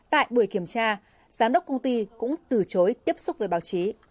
tại buổi kiểm tra giám đốc công ty cũng từ chối tiếp xúc với báo chí